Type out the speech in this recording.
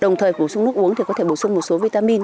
đồng thời bổ sung nước uống thì có thể bổ sung một số vitamin